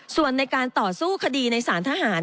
ส่วนในการต่อสู้คดีในสารทหาร